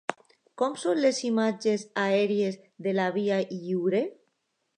Com són les imatges aèries de la Via Lliure?